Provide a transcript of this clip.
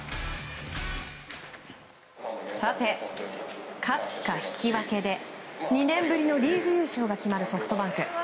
さて、勝つか引き分けで２年ぶりのリーグ優勝が決まるソフトバンク。